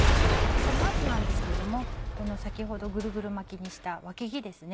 その後なんですけども先ほどグルグル巻きにしたわけぎですね。